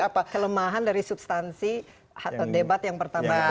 saya lihat ini kelemahan dari substansi debat yang pertama itu pada hari ini